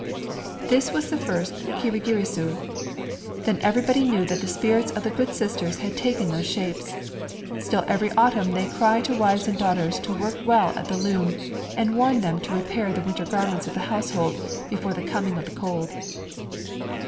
This was the first kirigirisu. Then everybody knew that the spirits of the good sisters had taken those shapes. Still every autumn they cry to wives and daughters to work well at the loom, and warn them to repair the winter garments of the household before the coming of the cold.